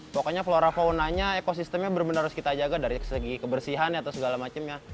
pokoknya flora faunanya ekosistemnya benar benar harus kita jaga dari segi kebersihan atau segala macamnya